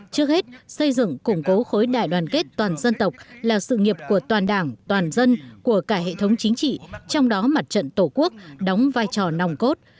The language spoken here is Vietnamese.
trước hết xây dựng củng cố khối đại đoàn kết toàn dân tộc là sự nghiệp của toàn đảng toàn dân của cả hệ thống chính trị trong đó mặt trận tổ quốc đóng vai trò nòng cốt